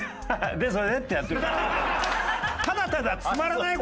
でそれで？」ってやってるから。